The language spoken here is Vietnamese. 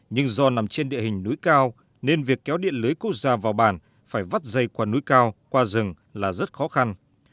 nhưng do nằm trên địa hình núi cao nên việc kéo điện lưới quốc gia vào bản phải vắt dây qua núi cao qua rừng là rất khó khăn